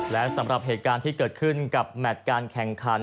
และสำหรับเหตุการณ์ที่เกิดขึ้นกับแมทการแข่งขัน